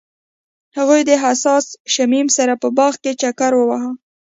هغوی د حساس شمیم سره په باغ کې چکر وواهه.